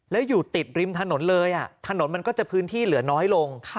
แล้วอยู่ติดริมถนนเลยถนนมันก็จะพื้นที่เหลือน้อยลง